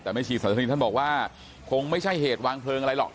แต่แม่ชีสันทนีท่านบอกว่าคงไม่ใช่เหตุวางเพลิงอะไรหรอก